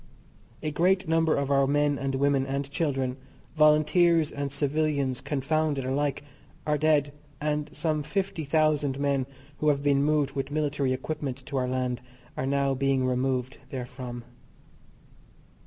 A great number of our men and women and children, Volunteers and civilians confounded alike, are dead, and some fifty thousand men who have been moved with military equipment to our land are now being removed therefrom.